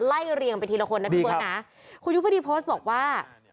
ไล่เรียงไปทีละคนนะเพื่อนคุณยุภดีโพสต์บอกว่า